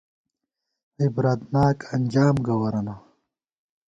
عبرتناک انجام گوَرَنہ